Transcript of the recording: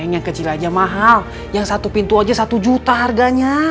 yang kecil aja mahal yang satu pintu aja satu juta harganya